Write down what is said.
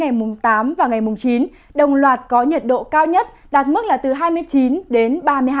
ngày mùng tám và ngày mùng chín đồng loạt có nhiệt độ cao nhất đạt mức là từ hai mươi chín đến ba mươi hai độ